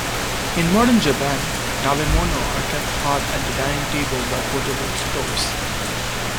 In modern Japan, nabemono are kept hot at the dining table by portable stoves.